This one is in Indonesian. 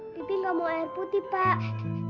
pipi gak mau air putih pak